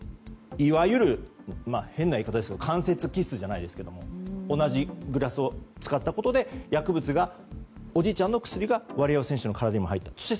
いわゆる、変な言い方ですけど間接キスじゃないですけども同じグラスを使ったことで薬物が、おじいちゃんの薬がワリエワ選手の体にも入ったと。